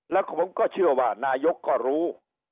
แล้วผมก็เชื่อว่านายกก็รู้